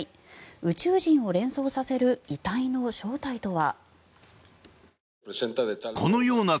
宇宙人を連想させる遺体の正体とは。